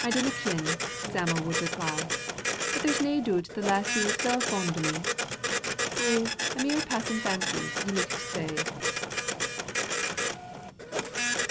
"I d'na kin," Sam'l would reply, "but there's nae doot the lassie was fell fond o' me. Ou, a mere passin' fancy's ye micht say."